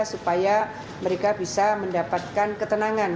supaya mereka bisa mendapatkan ketenangan